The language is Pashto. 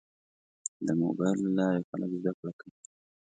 د موبایل له لارې خلک زده کړه کوي.